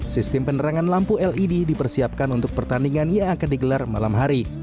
sistem penerangan lampu led dipersiapkan untuk pertandingan yang akan digelar malam hari